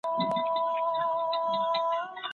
موږ اوس د مسمومیت د مخنیوي په لارو چارو خبرې کوو.